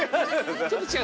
ちょっと違う。